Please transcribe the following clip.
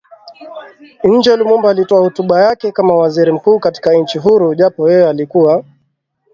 nje Lumumba alitoa hotuba yake kama Waziri mkuu katika nchi huru japo yeye alikuwa